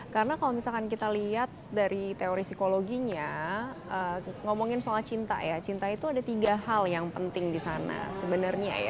karena kalau misalkan kita lihat dari teori psikologinya ngomongin soal cinta ya cinta itu ada tiga hal yang penting di sana sebenarnya ya